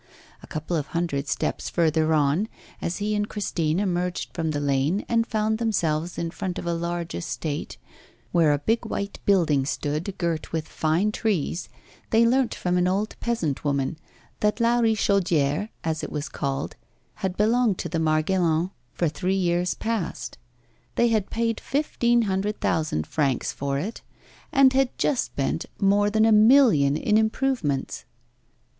A couple of hundred steps further on, as he and Christine emerged from the lane and found themselves in front of a large estate, where a big white building stood, girt with fine trees, they learnt from an old peasant woman that La Richaudière, as it was called, had belonged to the Margaillans for three years past. They had paid fifteen hundred thousand francs for it, and had just spent more than a million in improvements.